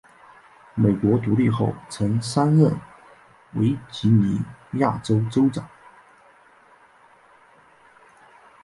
美国独立后曾三任维吉尼亚州州长。